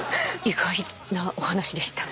意外なお話でした。